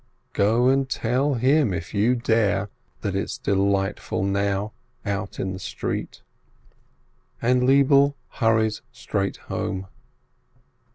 Go and tell him, if you dare, that it's delightful now out in the street. And Lebele hurries straight home.